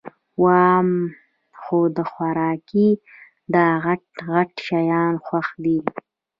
وام خو د خوارکي داغټ غټ شیان خوښ دي